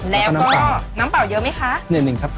แล้วก็น้ำเปล่าเยอะไหมคะ